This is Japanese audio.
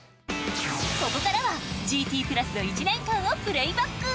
ここからは「ＧＴプラス」の１年間をプレイバック！